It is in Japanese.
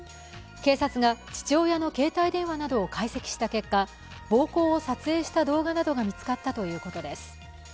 警察が父親の携帯電話などを解析した結果、暴行を撮影した動画などが見つかったということです。